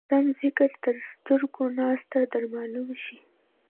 سم ذکر تر سترګو ناسنته در معلوم شي.